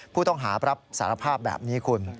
ผู้ต้องหารับสารภาพแบบนี้คุณ